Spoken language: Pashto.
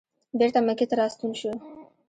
بېرته مکې ته راستون شو.